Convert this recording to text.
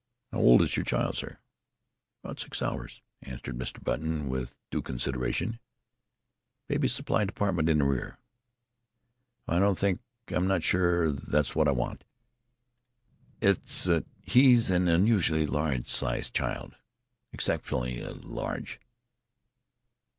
"How old is your child, sir?" "About six hours," answered Mr. Button, without due consideration. "Babies' supply department in the rear." "Why, I don't think I'm not sure that's what I want. It's he's an unusually large size child. Exceptionally ah large."